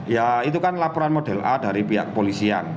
ya itu kan laporan model a dari pihak polisian